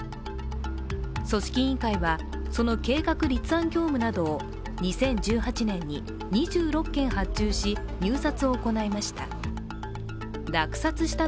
組織委員会はその計画・立案業務などを２０１８年に２６件発注し、入札を行いました。